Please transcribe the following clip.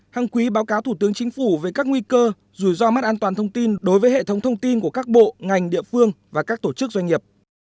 hăng quý báo cáo thủ tướng chính phủ về các nguy cơ rủi ro mất an toàn thông tin đối với hệ thống thông tin của các bộ ngành địa phương và các tổ chức doanh nghiệp